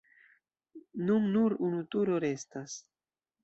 Nun nur unu turo restas.